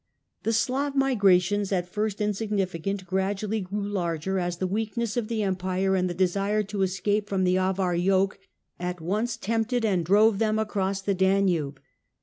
* The Slav migrations, at first insignificant, gradually grew larger, as the weakness of the Empire and the desire to escape from the Avar yoke at once tempted and drove them across the Danube.